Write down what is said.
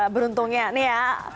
beruntungnya nih ya